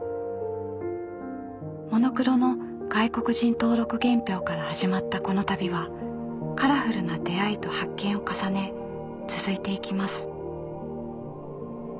モノクロの外国人登録原票から始まったこの旅はカラフルな出会いと発見を重ね続いていきます。